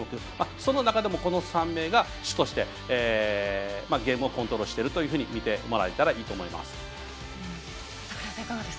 その中でもこの３名が主としてゲームをコントロールしていると見てらえたらいいと思います。